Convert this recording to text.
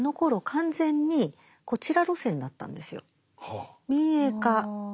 完全にこちら路線だったんですよ。